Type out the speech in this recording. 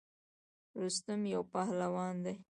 رستم یو پهلوان دی.